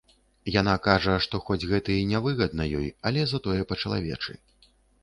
Яна кажа, што, хоць гэта і нявыгадна ёй, але затое па-чалавечы.